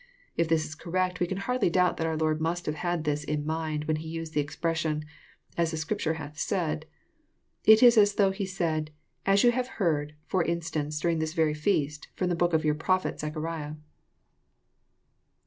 If this is correct we can hardly doubt that our Lord must have had this in mind when He used the expression, '' As the Scripture hath said." It is as though He said, *< As you have heard, for instance, during this very feast, i^om the book of your prophet Zecha riah."